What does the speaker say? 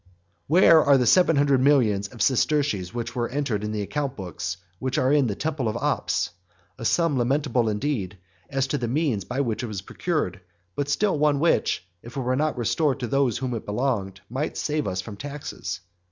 XXXVII. Where are the seven hundred millions of sesterces which were entered in the account books which are in the temple of Ops? a sum lamentable indeed, as to the means by which it was procured, but still one which, if it were not restored to those to whom it belonged, might save us from taxes.